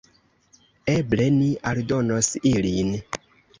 Eble ni aldonos ilin.